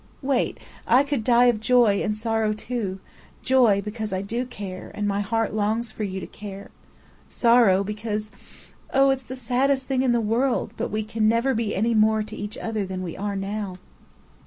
"Wait! I could die of joy, and sorrow too. Joy, because I do care, and my heart longs for you to care. Sorrow, because oh, it's the saddest thing in the world, but we can never be any more to each other than we are now."